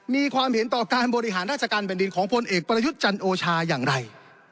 มีความเห็นต่อการบริหารราชการแผ่นดินของพลเอกประยุทธ์จันโอชาอย่างไร